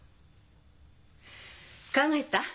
考えた？え？